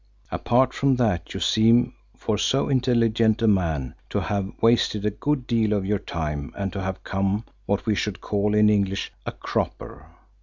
Apart from that, you seem, for so intelligent a man, to have wasted a good deal of your time and to have come, what we should call in English, a cropper.